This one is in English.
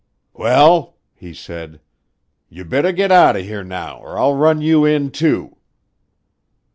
"Well," he said, "yer better get outern here now, or I'll run you in, too."